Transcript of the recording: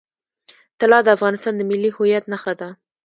طلا د افغانستان د ملي هویت نښه ده.